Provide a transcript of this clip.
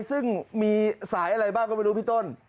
ซึ่งมีสายอะไรบ้างก็ไม่รู้พี่ต้น